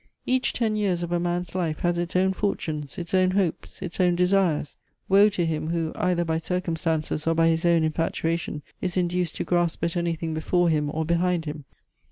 Each ten years of a man's life has its own fortunes, its own hopes, its own desires. Woe to him, who, either by circumstances or by his own infatuation, is induced to grasp at anything before him or behind him.